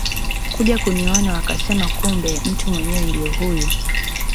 kuja kuniona wakasema kumbe mtu mwenyewe ndio huyu